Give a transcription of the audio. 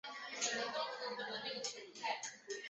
我们很脆弱